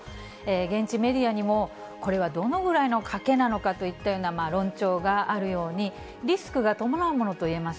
現地メディアにも、これはどのぐらいの賭けなのかといったような論調があるように、リスクが伴うものといえます。